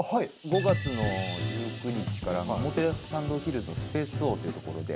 ５月の１９日から表参道ヒルズのスペースオーという所で。